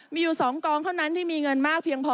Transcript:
มีอยู่๒กองเท่านั้นที่มีเงินมากเพียงพอ